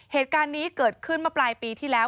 เหตุการณ์นี้เกิดขึ้นเมื่อปลายปีที่แล้ว